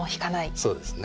そうですね。